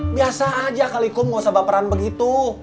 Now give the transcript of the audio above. biasa aja kali kum gausah baperan begitu